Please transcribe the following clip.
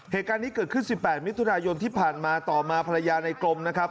เหตุการณ์นี้เกิดขึ้น๑๘มิถุนายนที่ผ่านมาต่อมาภรรยาในกรมนะครับ